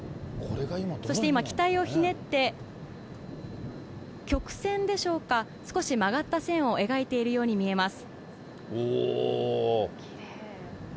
そして今、機体をひねって、曲線でしょうか、少し曲がった線を描いているように見えます。